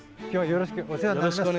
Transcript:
よろしくお願いします。